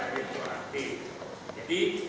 jadi kita keluarkan hgb